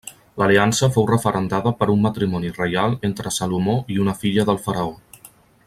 L'aliança fou referendada per un matrimoni reial entre Salomó i una filla del faraó.